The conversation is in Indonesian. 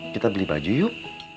kita beli baju yuk